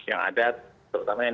ada terutama yang